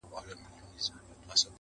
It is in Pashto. پلار ډېر کمزوری سوی دی اوس,